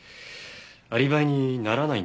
アリバイにならないんですが。